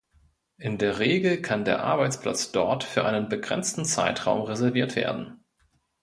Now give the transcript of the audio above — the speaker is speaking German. In der Regel kann der Arbeitsplatz dort für einen begrenzten Zeitraum reserviert werden.